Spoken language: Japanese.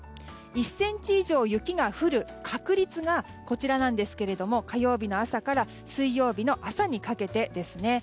１ｃｍ以上、雪が降る確率がこちらなんですが火曜日の朝から水曜日の朝にかけてですね。